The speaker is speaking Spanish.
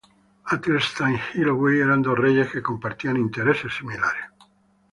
Athelstan y Hywel eran dos reyes que compartían intereses similares.